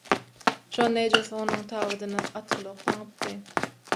Şonda ejesi onuň tabydyna atgulak daňypdy.